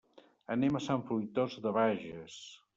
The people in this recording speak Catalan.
Anem a Sant Fruitós de Bages.